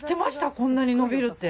こんなに伸びるって。